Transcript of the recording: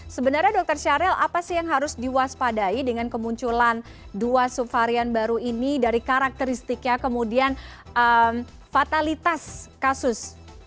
sebenarnya dokter syahril apa sih yang harus diwaspadai dengan kemunculan dua subvarian baru ini dari karakteristiknya kemudian fatalitas kasus